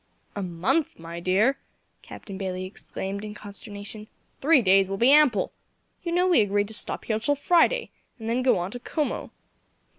"A month, my dear!" Captain Bayley exclaimed, in consternation, "three days will be ample. You know we agreed to stop here till Friday, and then to go on to Como."